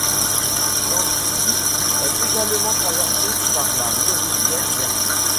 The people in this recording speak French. Gentilly est également traversé par la Méridienne Verte.